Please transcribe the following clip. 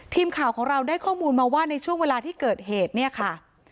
ทีมข่าวของเราได้ข้อมูลมาว่าในช่วงเวลาที่เกิดเหตุเนี่ยค่ะ